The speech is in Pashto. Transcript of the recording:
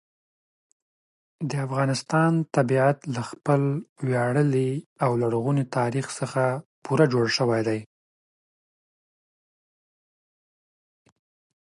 د افغانستان طبیعت له خپل ویاړلي او لرغوني تاریخ څخه پوره جوړ شوی دی.